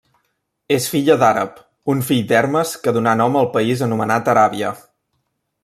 És filla d'Àrab, un fill d'Hermes, que donà nom al país anomenat Aràbia.